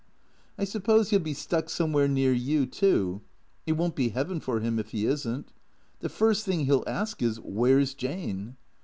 " I suppose he '11 be stuck somewhere near you, too. It won't be heaven for him if he is n't. The first thing he '11 ask is, 'Where's Jane?'"